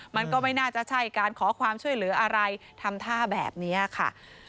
มันก็ไม่น่าจะใช่การขอความช่วยเหลืออะไรทำท่าแบบนี้ค่ะ